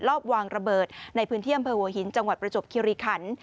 รอบวางระเบิดในพื้นที่อำเภอหัวหินจังหวัดประจบคิริขัน